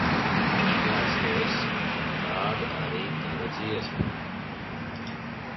Kāds tu esi, tāda arī tava dziesma.